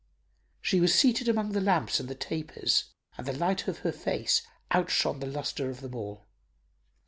She was seated among the lamps and the tapers and the light of her face outshone the lustre of them all.